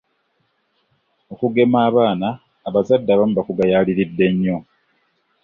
Okugema abaana abazadde abamu bakugayaaliridde nnyo.